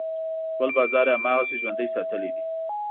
خپل بازار یې هماغسې ژوندی ساتلی دی.